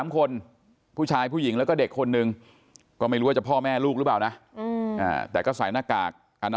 ๓คนผู้ชายผู้หญิงแล้วก็เด็กคนนึงก็ไม่รู้ว่าจะพ่อแม่ลูกหรือเปล่านะแต่ก็ใส่หน้ากากอนาม